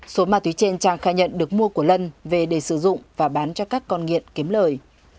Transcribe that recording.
số ma túy trên trang khai nhận được mua của lân về để sử dụng và bán cho các con nghiện kiếm lời